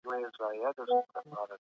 چا ته په غلطو القابو غږ کول فسق دی.